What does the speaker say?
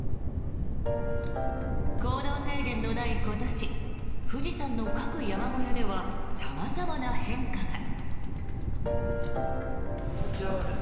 行動制限のない今年富士山の各山小屋では様々な変化が。